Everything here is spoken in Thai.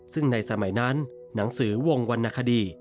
ซึ่งในสมัยนั้นหนังสือวงวรรณคดี